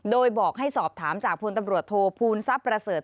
โดยบอกให้สอบถามจากพลตำรวจโทษภูมิทรัพย์ประเสริฐ